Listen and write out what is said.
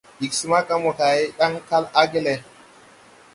Ig smaga mokay, Ɗaŋ kal age le.